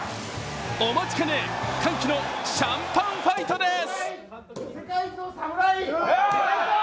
お待ちかね、歓喜のシャンパンファイトです。